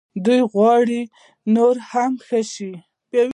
دوی غواړي نور هم ښه شي.